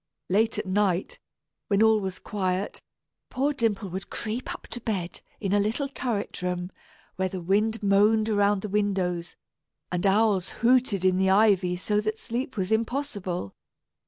Late at night, when all was quiet, poor Dimple would creep up to bed in a little turret room, where the wind moaned around the windows and owls hooted in the ivy so that sleep was impossible.